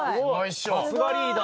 さすがリーダー！